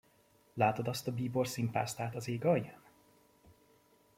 Látod azt a bíborszín pásztát az ég alján?